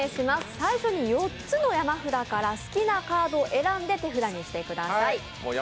最初に４つの山札から好きなカードを選んで手札にしてください。